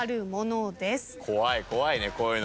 怖い怖いねこういうの。